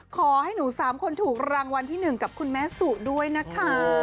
ขอให้หนู๓คนถูกรางวัลที่๑กับคุณแม่สุด้วยนะคะ